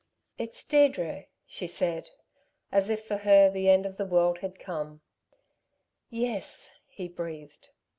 "It's Deirdre," she said, as if for her the end of the world had come. "Yes," he breathed.